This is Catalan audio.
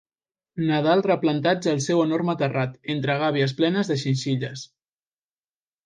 Nadal replantats al seu enorme terrat, entre gàbies plenes de xinxilles.